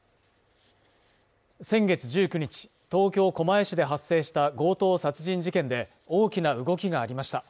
先月１９日、東京・狛江市で発生した強盗殺人事件で大きな動きがありました。